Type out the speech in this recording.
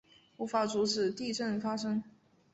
无法阻止地震发生